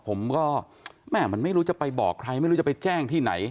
ผมก็แม่มันไม่รู้จะไปบอกใครไม่รู้จะไปแจ้งที่ไหน